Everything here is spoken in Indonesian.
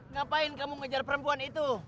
ngapain kamu ngejar perempuan itu